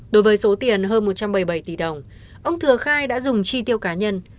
đối với số tiền hơn một trăm bảy mươi bảy tỷ đồng ông thừa khai đã dùng chi tiêu cá nhân